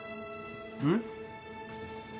うん？